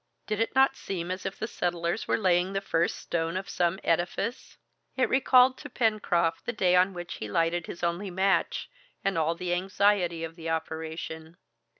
Did it not seem as if the settlers were laying the first stone of some edifice? It recalled to Pencroft the day on which he lighted his only match, and all the anxiety of the operation.